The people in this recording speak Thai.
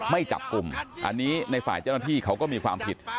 ไม่จับกลุ่มอันนี้ในฝ่ายเจ้าหน้าที่เขาก็มีความผิด